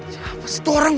siapa sih itu orang